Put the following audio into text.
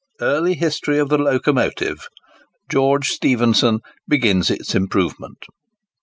EARLY HISTORY OF THE LOCOMOTIVE—GEORGE STEPHENSON BEGINS ITS IMPROVEMENT.